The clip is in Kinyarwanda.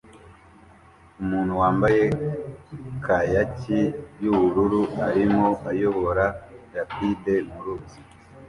Umuntu wambaye kayaki yubururu arimo ayobora rapide muruzi